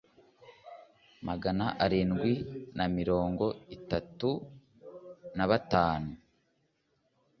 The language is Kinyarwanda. magana arindwi na mirongo itatu na batatu